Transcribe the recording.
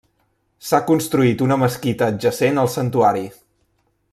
S'ha construït una mesquita adjacent al santuari.